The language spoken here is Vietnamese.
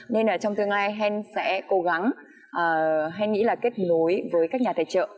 nên trong tương lai hèn sẽ cố gắng hèn nghĩ là kết nối với các nhà tài trợ